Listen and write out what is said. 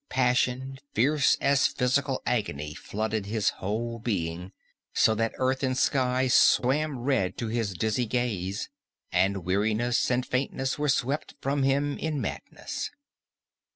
Passion fierce as physical agony flooded his whole being so that earth and sky swam red to his dizzy gaze, and weariness and faintness were swept from him in madness.